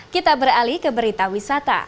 kita beralih ke berita wisata